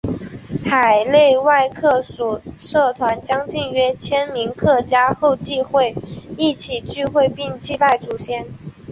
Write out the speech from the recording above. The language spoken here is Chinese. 海内外客属社团将近约千名客家后裔会一起聚会并祭拜祖先。